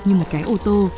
như một cái ô tô